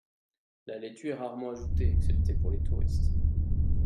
La laitue est rarement ajoutée, excepté pour les touristes.